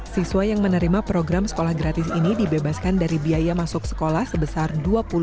siswa yang menerima program sekolah gratis ini dibebaskan dari biaya masuk sekolah sebesar dua puluh